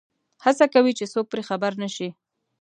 هڅه کوي چې څوک پرې خبر نه شي.